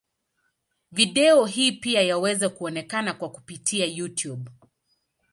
Video hii pia yaweza kuonekana kwa kupitia Youtube.